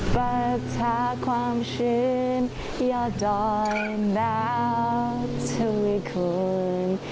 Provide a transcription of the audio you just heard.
ปรับทะความชื่นยอดอยนาวทุยคุณ